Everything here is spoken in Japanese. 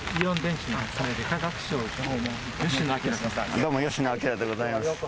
どうも吉野彰でございます。